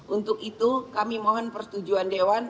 untuk itu kami mohon persetujuan dewan